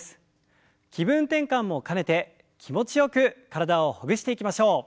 気分転換も兼ねて気持ちよく体をほぐしていきましょう。